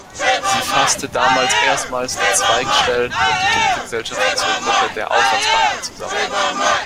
Sie fasste damals erstmals die Zweigstellen und die Tochtergesellschaften zur Gruppe der „Auslandsbanken“ zusammen.